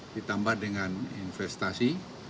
ditambah dengan investasi